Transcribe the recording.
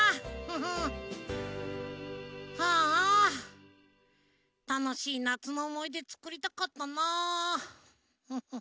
ああたのしいなつのおもいでつくりたかったなフフフ。